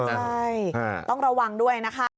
ใช่ต้องระวังด้วยนะคะ